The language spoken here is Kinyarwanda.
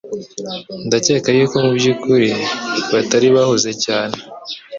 Ndakeka yuko mubyukuri batari bahuze cyane